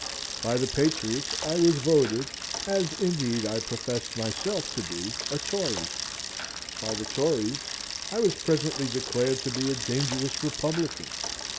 By the Patriots I was voted (as indeed I professed myself to be) a Tory; by the Tories I was presently declared to be a dangerous Republican.